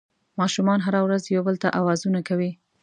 ماشومان هره ورځ یو بل ته اوازونه کوي